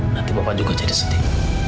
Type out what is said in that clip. nanti bapak juga jadi sedih